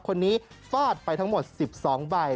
คนนี้ฟาดไปทั้งหมด๑๒ใบ